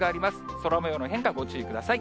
空もようの変化、ご注意ください。